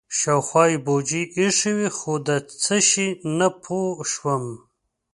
شاوخوا یې بوجۍ ایښې وې خو د څه شي نه پوه شوم.